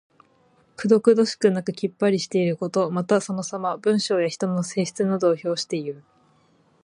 くどくどしくなくきっぱりしていること。また、そのさま。文章や人の性質などを評していう。